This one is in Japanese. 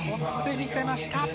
ここで見せました。